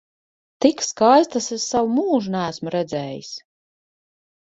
Tik skaistas es savu mūžu neesmu redzējis!